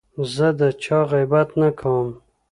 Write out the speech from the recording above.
زه د چا غیبت نه کوم.